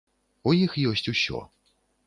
У іх ёсць усё.